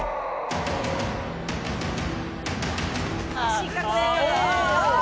失格です。